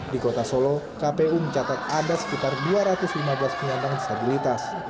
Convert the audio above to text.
di kota solo kpu mencatat ada sekitar dua ratus lima belas penyandang disabilitas